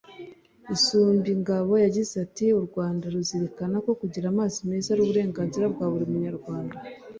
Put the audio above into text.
Isumbingabo yagize ati ”U Rwanda ruzirikana ko kugira amazi meza ari uburenganzira bwa buri Munyarwanda”